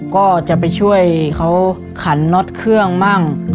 ก็จะไปช่วยเขาขันน็อตเครื่องมั่ง